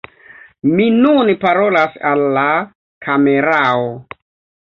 Mi nun parolas al la kamerao!